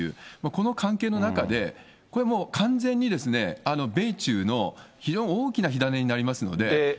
この関係の中で、これもう完全に、米中の非常に大きな火種になりますので。